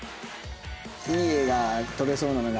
いい画が撮れそうなのが。